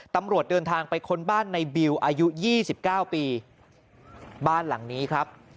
ตำรวจเดินทางไปค้นบ้านในบิวอายุ๒๙ปีบ้านหลังนี้ครับ